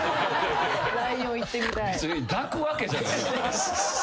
別に抱くわけじゃない。